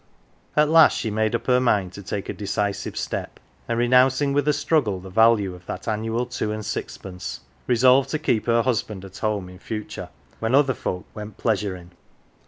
At last she made up her mind to take a decisive step, and, renouncing with a struggle the value of that annual two and sixpence, resolved to keep her husband at home in future when other folk went " pleasurm 1 ."